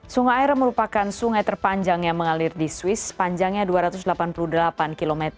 sungai air merupakan sungai terpanjang yang mengalir di swiss panjangnya dua ratus delapan puluh delapan km